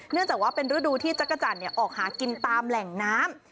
เนื่องจากว่าเป็นฤดูที่จักรจันทร์ออกหากินตามแหล่งน้ำ